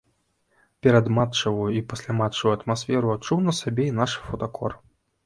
Перадматчавую і пасляматчавую атмасферу адчуў на сабе і наш фотакор.